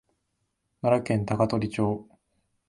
奈良県高取町